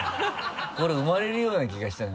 これ生まれるような気がしたの。